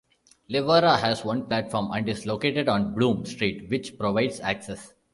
Leawarra has one platform, and is located on Bloom Street, which provides access.